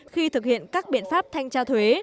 khi thực hiện các biện pháp thanh tra thuế